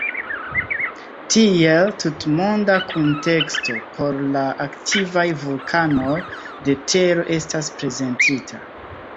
Tiel, tutmonda kunteksto por la aktivaj vulkanoj de tero estas prezentita.